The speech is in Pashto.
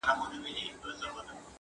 په دعا سو د امیر او د خپلوانو!!